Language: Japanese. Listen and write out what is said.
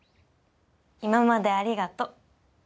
今までありがとう。